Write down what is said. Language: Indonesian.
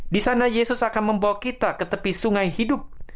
di sana yesus akan membawa kita ke tepi sungai hidup